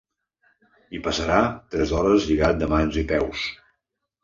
Hi passarà tres hores lligat de mans i peus.